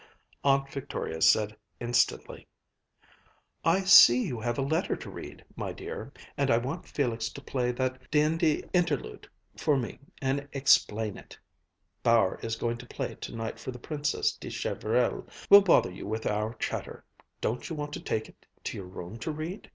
Aunt Victoria said instantly: "I see you have a letter to read, my dear, and I want Felix to play that D'Indy Interlude for me and explain it Bauer is going to play it tonight for the Princess de Chevrille. We'll bother you with our chatter. Don't you want to take it to your room to read?"